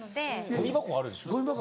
・ゴミ箱あるでしょ